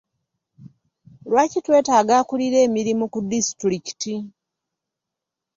Lwaki twetaaga akulira emirimu ku disitulikiti?